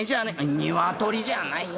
「ニワトリじゃないよ。